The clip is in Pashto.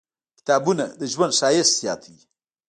• کتابونه، د ژوند ښایست زیاتوي.